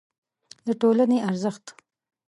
د ټولنې ارزښت